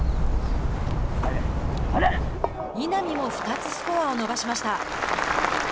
稲見も２つスコアを伸ばしました。